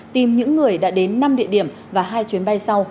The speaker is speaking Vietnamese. tìm những người đã đến năm địa điểm và hai chuyến bay sau